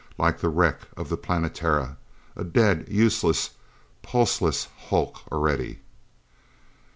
Like the wreck of the Planetara a dead, useless, pulseless hulk already.